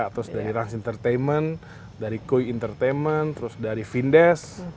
terus dari run entertainment dari coy entertainment terus dari findes